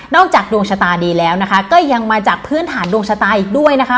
จากดวงชะตาดีแล้วนะคะก็ยังมาจากพื้นฐานดวงชะตาอีกด้วยนะคะ